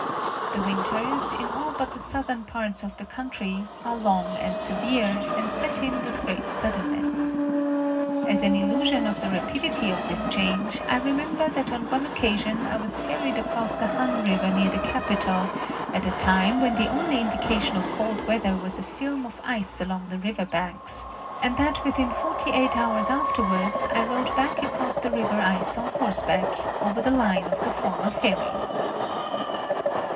The winters, in all but the southern parts of the country, are long and severe and set in with great suddenness. As an illustration of the rapidity of this change I remember that on one occasion I was ferried across the Han river near the capital at a time when the only indication of cold weather was a film of ice along the river banks, and that within forty eight hours after wards I rode back across the river ice on horseback, over the line of the former ferry.